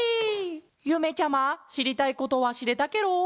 ゆめちゃましりたいことはしれたケロ？